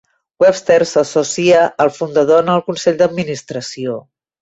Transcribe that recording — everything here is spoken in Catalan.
Webster s'associa al fundador en el consell d'administració.